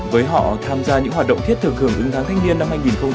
với họ tham gia những hoạt động thiết thực hưởng ứng tháng thanh niên năm hai nghìn hai mươi